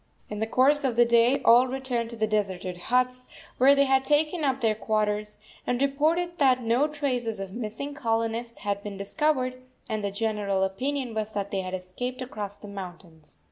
In the course of the day all returned to the deserted huts, where they had taken up their quarters, and reported that no traces of the missing colonists had been discovered, and the general opinion was that they had escaped across the mountains.